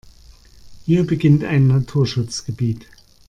Hier beginnt ein Naturschutzgebiet.